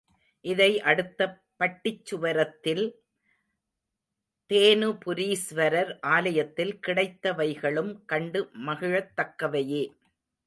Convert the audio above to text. இதை அடுத்த பட்டிச்சுவரத்தில் தேனுபுரீஸ்வரர் ஆலயத்தில் கிடைத்தவைகளும் கண்டு மகிழத்தக்கவையே.